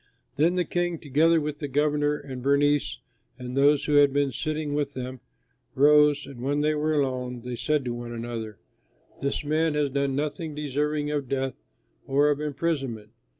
Then the King, together with the governor and Bernice and those who had been sitting with them, rose and, when they were alone, they said to one another, "This man has done nothing deserving of death or of imprisonment."